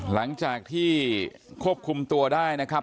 หลังจากที่ควบคุมตัวได้นะครับ